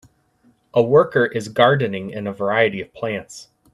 A worker is gardening in a variety of plants.